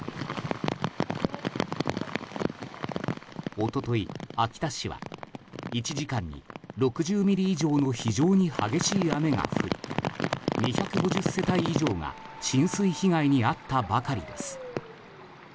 一昨日、秋田市は１時間に６０ミリ以上の非常に激しい雨が降り２５０世帯以上が浸水被害に遭ったばかりです。